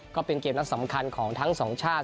ก็เป็นเกมนัดสำคัญของทั้งสองชาติ